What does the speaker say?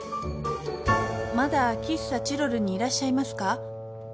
「まだ喫茶チロルにいらっしゃいますか？」。